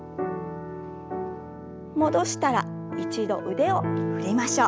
戻したら一度腕を振りましょう。